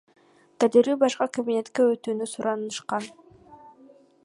Далерду башка кабинетке өтүүнү суранышкан.